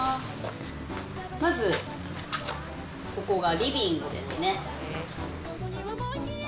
まず、ここがリビングですね。